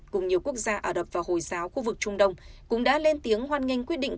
cùng nhiều quốc gia ả rập và hồi giáo khu vực trung đông cũng đã lên tiếng hoan nghênh quyết định